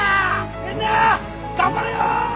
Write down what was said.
みんな頑張れよ！